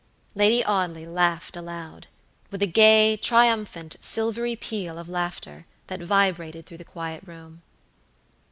Lady Audley laughed aloud, with a gay, triumphant, silvery peal of laughter that vibrated through the quiet room.